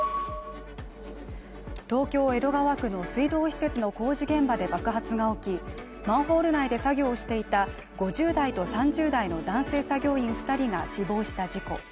東京・江戸川区の水道施設の工事現場で爆発が起きマンホール内で作業をしていた５０代と３０代の男性作業員２人が死亡した事故。